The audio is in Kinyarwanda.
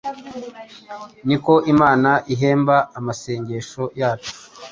niko Imana ihemba amasengesho yacu.